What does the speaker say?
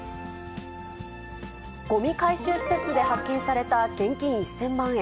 ごみ回収施設で発見された現金１０００万円。